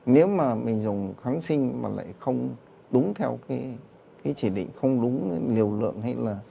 nếu mà mình dùng kháng sinh mà lại không đúng theo cái chỉ định không đúng liều lượng hay là